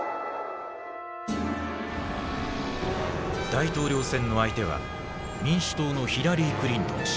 大統領選の相手は民主党のヒラリー・クリントン氏。